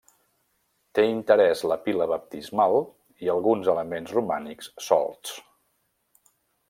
Té interès la pila baptismal i alguns elements romànics solts.